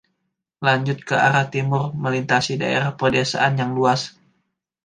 Lanjut ke arah timur, melintasi daerah pedesaan yang luas.